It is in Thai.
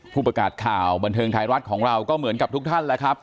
ผู้ประกาศข่าวบันเทิงไทยรัฐของเราก็เหมือนกับทุกท่านแล้วครับ